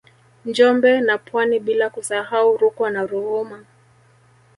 Njombe na Pwani bila kusahau Rukwa na Ruvuma